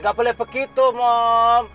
gak boleh begitu mom